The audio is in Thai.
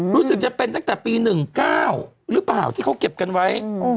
รู้สึกจะเป็นตั้งแต่ปี๑๙หรือเปล่าที่เขาเก็บกันไว้